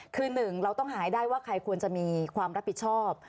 คือหนึ่งเราต้องหาให้ได้ว่าใครควรจะมีความรับผิดชอบ